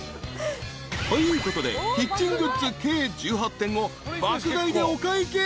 ［ということでキッチングッズ計１８点を爆買いでお会計］